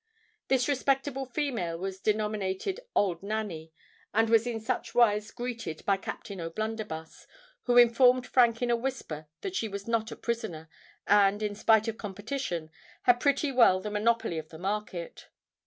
This respectable female was denominated "Old Nanny," and was in such wise greeted by Captain O'Blunderbuss, who informed Frank in a whisper that she was not a prisoner, and, in spite of competition, had pretty well the monopoly of the market.